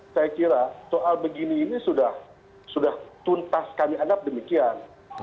saya kira soal begini ini sudah tuntas kami anggap demikian